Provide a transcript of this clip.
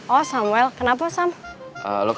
oh samuel kenapa samsung